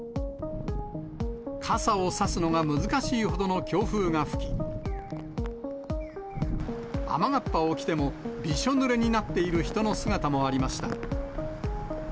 傘を差すのが難しいほどの強風が吹き、雨がっぱを着ても、びしょぬれになっている人の姿もありました。